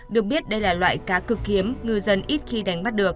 được biết đây là loại cá cực kiếm ngư dân ít khi đánh bắt được